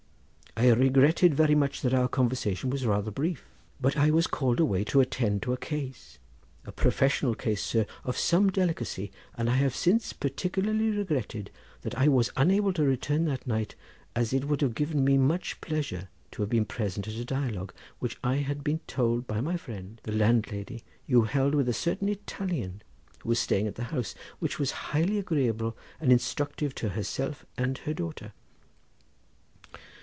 I regretted very much that our conversation was rather brief, but I was called away to attend to a case, a professional case, sir, of some delicacy, and I have since particularly regretted that I was unable to return that night, as it would have given me much pleasure to have been present at a dialogue which, I have been told by my friend the landlady, you held with a certain Italian who was staying at the house, which was highly agreeable and instructive to herself and her daughter."